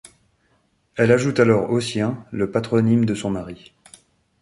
Elle ajoute alors au sien le patronyme de son mari.